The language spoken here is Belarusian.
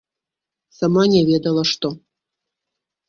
Сама не ведала што.